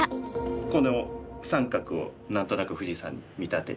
この三角を何となく富士山に見立てて。